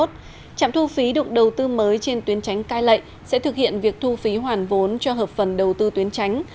trạm thu phí đụng đầu tư mới trên tuyến tránh cai lệ sẽ thực hiện việc thu phí hoàn vốn cho hợp phần đầu tư tuyến tránh